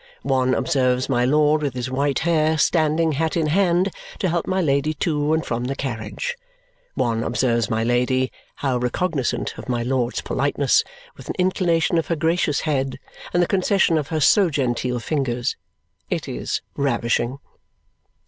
One observes my Lord with his white hair, standing, hat in hand, to help my Lady to and from the carriage. One observes my Lady, how recognisant of my Lord's politeness, with an inclination of her gracious head and the concession of her so genteel fingers! It is ravishing!